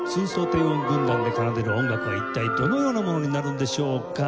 低音軍団で奏でる音楽は一体どのようなものになるんでしょうか？